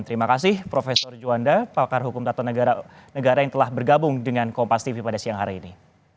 terima kasih profesor juanda pakar hukum tata negara yang telah bergabung dengan kompas tv pada siang hari ini